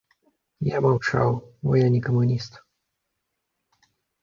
Я маўчаў, бо я не камуніст.